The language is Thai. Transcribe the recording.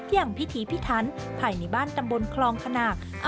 อย่างพิธีพิฒรรณภายในบ้านตำบลคลองคนาคน